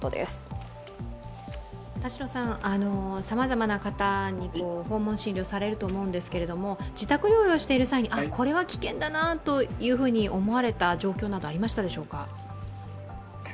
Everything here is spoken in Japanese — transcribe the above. さまざまな方に訪問診療されると思うんですけれども、自宅療養している際に、これは危険だなと思われた状況などありましたでしょうか？